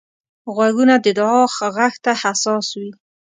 غوږونه د دعا غږ ته حساس وي